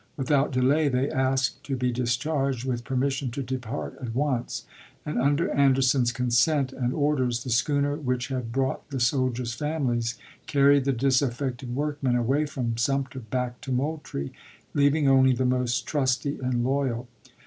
Without delay they asked to be discharged with permission to depart at once ; and under An derson's consent and orders the schooner which had brought the soldiers' families carried the dis DpW52°n' affected workmen away from Sumter back to Moul trie, leaving only the most trusty and loyal.